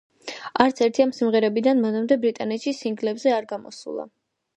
არც ერთი ამ სიმღერებიდან მანამდე ბრიტანეთში სინგლებზე არ გამოსულა.